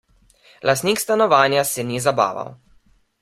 Lastnik stanovanja se ni zabaval.